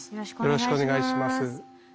よろしくお願いします。